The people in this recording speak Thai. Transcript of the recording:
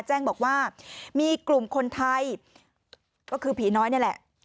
แจ้งบอกว่ามีกลุ่มคนไทยก็คือผีน้อยนี่แหละ